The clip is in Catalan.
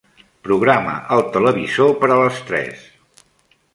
Programa el televisor per a les tres.